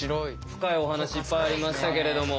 深いお話いっぱいありましたけれども。